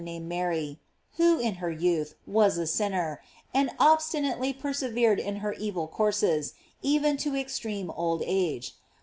named Mary, who, in her youth, was a sinner, and obstinately persevered in her evil courses, even to extreme old age.